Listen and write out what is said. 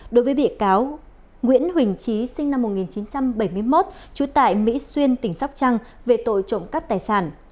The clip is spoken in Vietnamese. đối với bị cáo nguyễn huỳnh trí sinh năm một nghìn chín trăm bảy mươi một trú tại mỹ xuyên tỉnh sóc trăng về tội trộm cắp tài sản